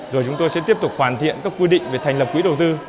rồi chúng tôi sẽ tiếp tục hoàn thiện các quy định về thành lập quỹ đầu tư